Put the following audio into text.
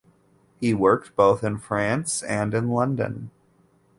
He worked both in France and in London.